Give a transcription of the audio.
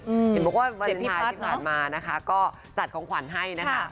เห็นบอกว่าวาเลนไทยที่ผ่านมานะคะก็จัดของขวัญให้นะคะ